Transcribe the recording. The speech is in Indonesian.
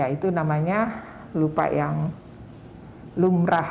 itu namanya lupa yang lumrah